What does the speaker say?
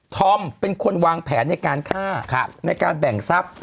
เป็นคนวางแผนในการฆ่าในการแบ่งทรัพย์